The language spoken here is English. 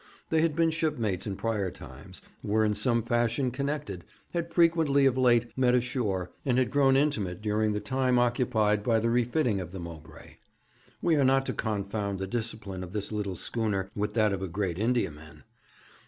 They had been shipmates in prior times, were in some fashion connected, had frequently of late met ashore, and had grown intimate during the time occupied by the refitting of the Mowbray. We are not to confound the discipline of this little schooner with that of a great Indiaman.